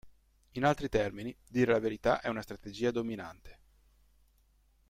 In altri termini, dire la verità è una strategia dominante.